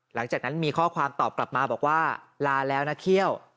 หลังจากนั้นมีข้อความตอบกลับมาบอกว่าลาแล้วนะเคี่ยว